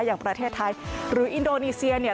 อย่างประเทศไทยหรืออินโดนีเซียเนี่ย